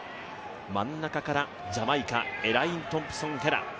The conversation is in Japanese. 真ん中からジャマイカ、エライン・トンプソン・ヘラ。